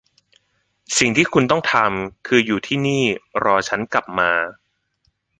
สิ่งที่คุณต้องทำคืออยู่ที่นี่รอฉันกลับมา